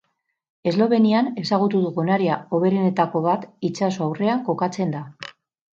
Eslovenian ezagutu dugun area hoberenetako bat itsaso aurrean kokatzen da.